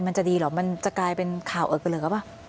มันจะดีหรอมันจะกลายเป็นข่าวเกลือปะ